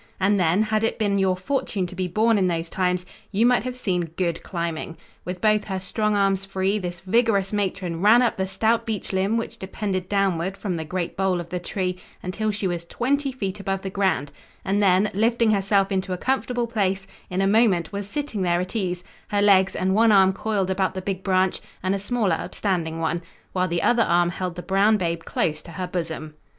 And then, had it been your fortune to be born in those times, you might have seen good climbing. With both her strong arms free, this vigorous matron ran up the stout beech limb which depended downward from the great bole of the tree until she was twenty feet above the ground, and then, lifting herself into a comfortable place, in a moment was sitting there at ease, her legs and one arm coiled about the big branch and a smaller upstanding one, while the other arm held the brown babe close to her bosom.